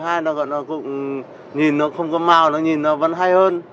thứ hai là nó cũng nhìn nó không có màu nó nhìn nó vẫn hay hơn